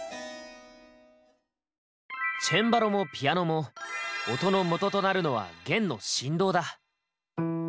チェンバロもピアノも音のもととなるのは弦の振動だ。